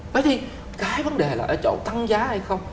vậy thì cái vấn đề là ở chỗ tăng giá hay không